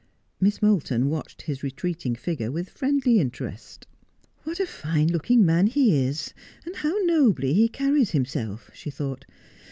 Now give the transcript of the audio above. Miss Moulton watched his retreating figure with friendly interest. ' What a fine looking man he is, and how nobly he carries himself !' she thought.